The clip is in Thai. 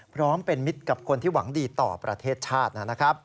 พร้อมเป็นมิตรกับคนที่หวังดีต่อประเทศชาตินะครับ